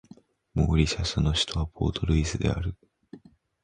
モーリシャスの首都はポートルイスである